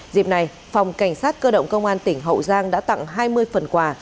dịp này phòng cảnh sát cơ động công an tỉnh hậu giang đã tặng hai mươi phần quà